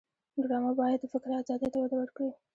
ډرامه باید د فکر آزادۍ ته وده ورکړي